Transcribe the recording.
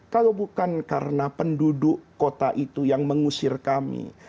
kalau bukan karena penduduk kota itu yang mengusir kami